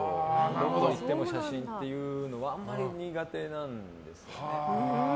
どこに行っても何でも写真っていうのは苦手なんですよね。